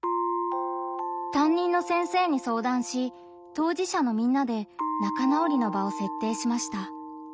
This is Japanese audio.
担任の先生に相談し当事者のみんなで仲直りの場を設定しました。